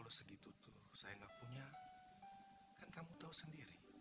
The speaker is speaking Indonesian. kalau segitu tuh saya nggak punya kan kamu tahu sendiri